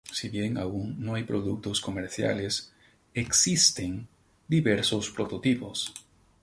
Si bien aun no hay productos comerciales, existen diversos prototipos.